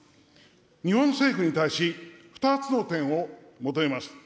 日本政府に対し、２つの点を求めます。